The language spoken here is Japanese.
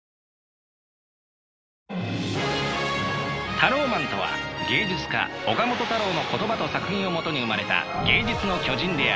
タローマンとは芸術家岡本太郎の言葉と作品を基に生まれた芸術の巨人である。